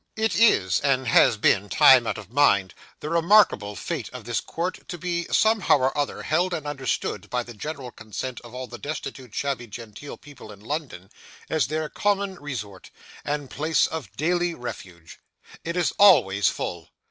It is, and has been, time out of mind, the remarkable fate of this court to be, somehow or other, held and understood, by the general consent of all the destitute shabby genteel people in London, as their common resort, and place of daily refuge. It is always full.